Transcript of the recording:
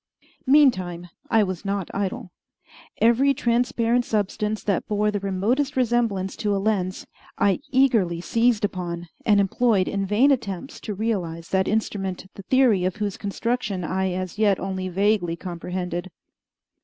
Meantime, I was not idle. Every transparent substance that bore the remotest resemblance to a lens I eagerly seized upon, and employed in vain attempts to realize that instrument the theory of whose construction I as yet only vaguely comprehended.